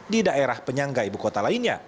di daerah penyangga ibu kota lainnya